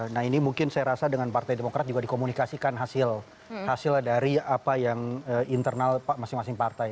nah ini mungkin saya rasa dengan partai demokrat juga dikomunikasikan hasil dari apa yang internal masing masing partai